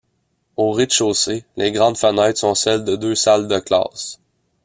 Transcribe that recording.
Au rez-de-chaussée, les grandes fenêtres sont celles de deux salles de classe.